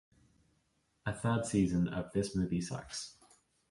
A third season of This Movie Sucks!